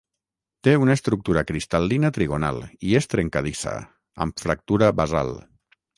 Té una estructura cristal·lina trigonal i és trencadissa, amb fractura basal.